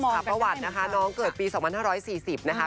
เพราะว่าเราไปถึงสถาประวัตินะคะน้องเกิดปี๒๕๔๐นะคะ